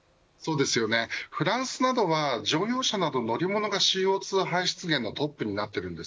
フランスなどは乗用車などの乗り物がＣＯ２排出のトップになっています。